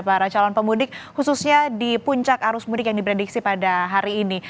para calon pemudik khususnya di puncak arus mudik yang diprediksi pada hari ini